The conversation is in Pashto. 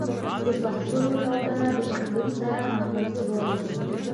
د فصلونو ټاکنه د اقلیم سره همغږي غواړي.